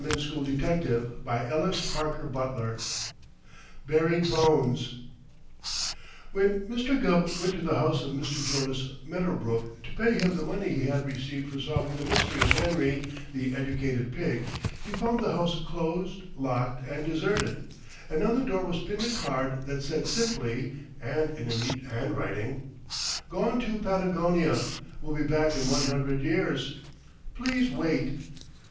The deteckative mind is educated up to such things." BURIED BONES When Mr. Gubb went to the house of Mr. Jonas Medderbrook to pay him the money he had received for solving the mystery of Henry, the Educated Pig, he found the house closed, locked and deserted, and on the door was pinned a card that said simply, and in a neat handwriting: Gone to Patagonia. Will be back in one hundred years. Please wait.